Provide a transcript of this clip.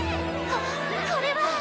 ここれは。